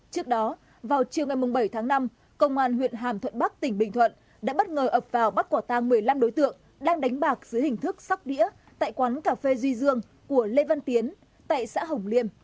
trước đó vào chiều ngày bảy tháng năm công an huyện hàm thuận bắc tỉnh bình thuận đã bất ngờ ập vào bắt quả tang một mươi năm đối tượng đang đánh bạc dưới hình thức sóc đĩa tại quán cà phê duy dương của lê văn tiến tại xã hồng liêm